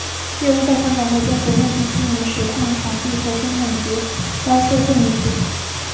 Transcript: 业务在香港和中国内地经营石矿场地和生产及销售混凝土。